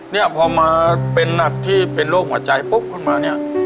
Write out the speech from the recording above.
เนี่ยพอมาเป็นนักที่เป็นโรคหัวใจปุ๊บขึ้นมาเนี่ย